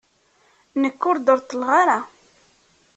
Nekk ur d-reṭṭleɣ ara.